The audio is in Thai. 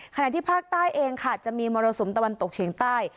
ขณะที่ภาคใต้เองค่ะจะมีมรสุมตะวันตกเฉียงใต้